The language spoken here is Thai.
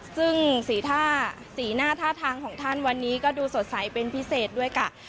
ซึ่งสีหน้าท่าทางของท่านวันนี้ก็ดูสดใสเป็นพิเศษด้วยค่ะ